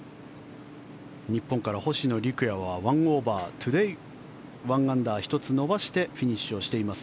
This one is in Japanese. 日本から星野陸也は１オーバートゥデー１アンダー１つ伸ばしてフィニッシュしています。